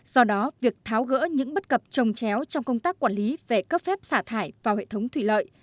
do đó việc tháo gỡ những bất cập trông chéo trong công tác quản lý về cấp phép xả thải vào hệ thống thủy lợi